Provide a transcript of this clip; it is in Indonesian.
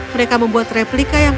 mereka membuat replika yang